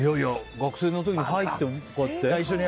学生の時に、はいって？